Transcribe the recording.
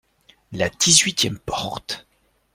La dix-huitième porte.